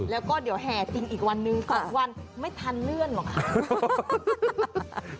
แล้วก็เดี๋ยวแห่จริงอีกวันนึง๒วันไม่ทันเลื่อนหรอกค่ะ